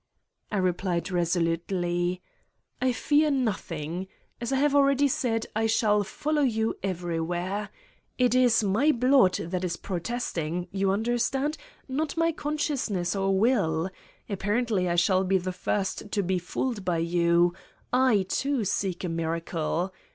I replied resolutely: "I fear nothing. As I have already said, I shall follow you everywhere. It is my blood that 177 'Satan's Diary is protesting you understand? not my con sciousness or will. Apparently I shall be the first to be fooled by you : I, too, seek a miracle.